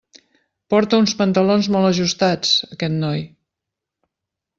Porta uns pantalons molt ajustats, aquest noi.